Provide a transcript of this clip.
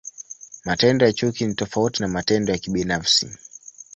Matendo ya chuki ni tofauti na matendo ya kibinafsi.